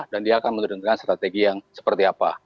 dan dia akan menurunkan strategi yang seperti apa